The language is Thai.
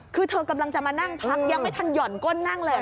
คือเธอกำลังจะมานั่งพักยังไม่ทันห่อนก้นนั่งเลย